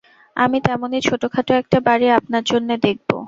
আমি তেমনি ছোটখাটো একটা বাড়ি আপনার জন্যে দেখব।